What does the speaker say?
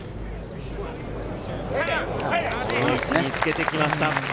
この位置につけてきました。